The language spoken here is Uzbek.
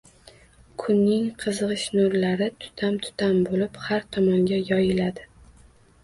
Kunning qizg`ish nurlari tutam-tutam bo`lib, har tomonga yoyiladi